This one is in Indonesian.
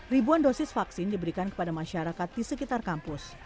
ribuan dosis vaksin diberikan kepada masyarakat di sekitar kampus